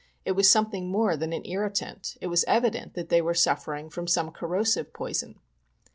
It was something more than an irritant. It was evi dent that they were suffering from some corrosive poison.